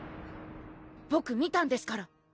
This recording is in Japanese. ボク見たんですから！